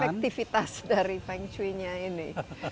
aktivitas dari feng shui nya ini